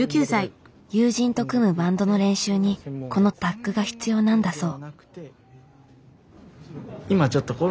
友人と組むバンドの練習にこのＤＡＣが必要なんだそう。